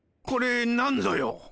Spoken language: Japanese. これなんぞよ？